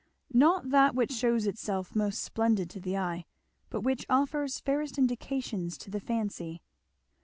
"Not that which shews itself most splendid to the eye, but which offers fairest indications to the fancy."